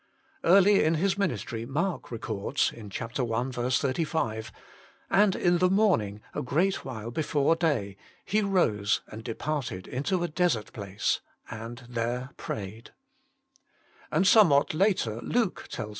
Early in His ministry Mark records (i. 35), "And in the morning, a great while before day, He rose and departed into a desert place, and there prayed" And somewhat later Luke tells (v.